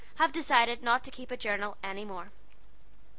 Have dissided not to kepe a jurnal enny more."